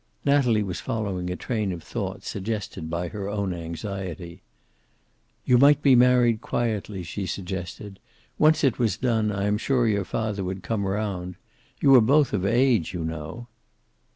Natalie was following a train of thought suggested by her own anxiety. "You might be married quietly," she suggested. "Once it was done, I am sure your father would come around. You are both of age, you know."